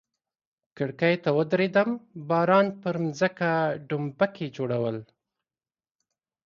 کړکۍ ته ودریدم، باران پر مځکه ډومبکي جوړول.